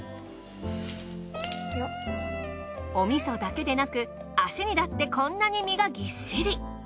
お味噌だけでなく足にだってこんなに身がぎっしり。